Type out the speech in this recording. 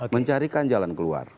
mencarikan jalan keluar